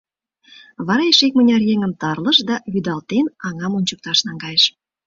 Вара эше икмыняр еҥым тарлыш да, вӱдалтен, аҥам ончыкташ наҥгайыш.